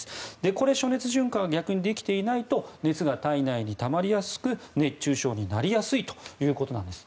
これ、暑熱順化が逆にできていないと熱が体内にたまりやすく熱中症になりやすいということです。